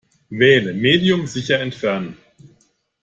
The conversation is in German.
Wähle "Medium sicher entfernen".